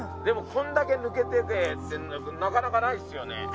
でもこんだけ抜けててっていうのなかなかないっすよね。